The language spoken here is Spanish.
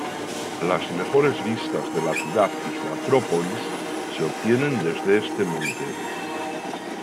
Las mejores vistas de la ciudad y su Acrópolis se obtienen desde este monte.